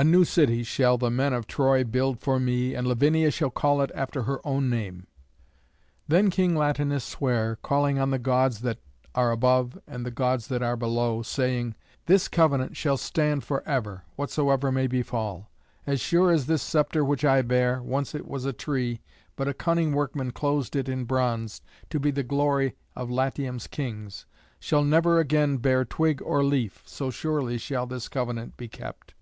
A new city shall the men of Troy build for me, and Lavinia shall call it after her own name." Then King Latinus sware, calling on the Gods that are above and the Gods that are below, saying, "This covenant shall stand for ever, whatsoever may befall. As sure as this sceptre which I bear once it was a tree, but a cunning workman closed it in bronze, to be the glory of Latium's kings shall never again bear twig or leaf, so surely shall this covenant be kept."